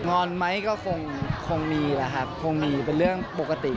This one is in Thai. งอมไม้ก็คงคงมีแล้วครับคงมีเป็นเรื่องปกติ